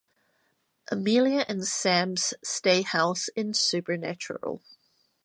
Amelia and Sam's stay house in Supernatural.